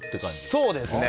そうですね。